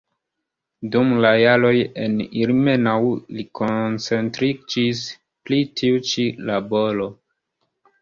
Dum la jaroj en Ilmenau li koncentriĝis pri tiu ĉi laboro.